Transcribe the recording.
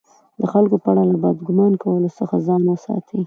د خلکو په اړه له بد ګمان کولو څخه ځان وساتئ!